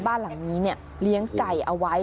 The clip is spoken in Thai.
บ้านหลังนี้เลี้ยงไก่เอาไว้